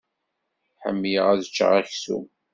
Ḥemmleɣ ad ččeɣ aksum.